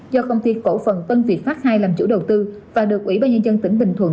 do công ty cổ phần tân việt pháp hai làm chủ đầu tư và được ủy ban nhân dân tỉnh bình thuận